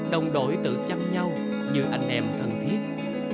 đồng đội tự chăm nhau như anh em thân thiết